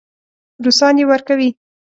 روسان یې ورکوي.